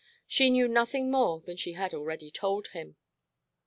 She knew nothing more than she already had told him.